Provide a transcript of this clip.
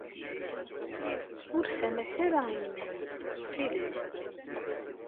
Ur ssamas ara i yiman-ik, ttxil-k.